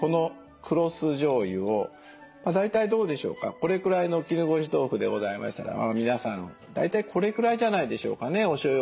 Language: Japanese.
これくらいの絹ごし豆腐でございましたら皆さん大体これくらいじゃないでしょうかねおしょうゆ